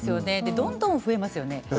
どんどん増えますよね。